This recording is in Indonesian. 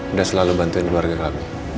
udah selalu bantuin keluarga kami